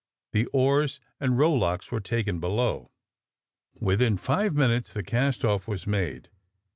The oars and rowlocks were taken below. Within five minutes the cast off was made.